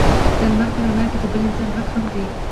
د لمر په رڼا کې د بل انسان حق هم دی.